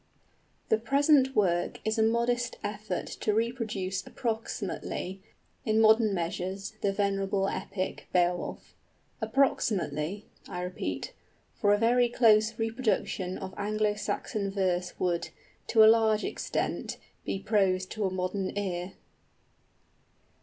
The present work is a modest effort to reproduce approximately, in modern measures, the venerable epic, Beowulf. Approximately, I repeat; for a very close reproduction of Anglo Saxon verse would, to a large extent, be prose to a modern ear.